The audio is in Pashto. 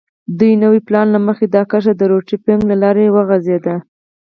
د نوي پلان له مخې دا کرښه د روټي فنک له لارې غځېده.